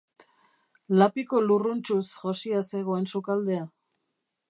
Lapiko lurruntsuz josia zegoen sukaldea.